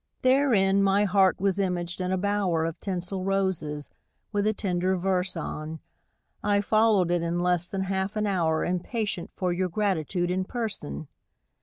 Therein my heart was imaged in a bower Of tinsel roses, with a tender verse on ; I followed it in less than half an hour Impatient for your gratitude in person.